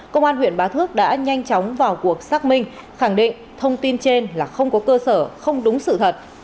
công an huyện bá thước đã nhanh chóng vào cuộc xác minh khẳng định thông tin trên là không có cơ sở không đúng sự thật